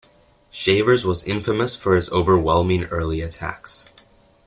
Shavers was infamous for his overwhelming early attacks.